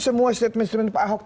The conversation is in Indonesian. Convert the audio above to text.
semua set mensuruh pak ahok